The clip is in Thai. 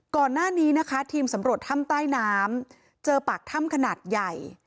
ก่อนหน้านี้นะคะทีมสำรวจถ้ำใต้น้ำเจอปากถ้ำขนาดใหญ่